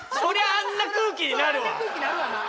あんな空気なるわな